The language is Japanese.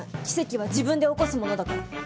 奇跡は自分で起こすものだから。